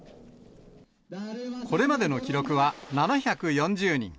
これまでの記録は７４０人。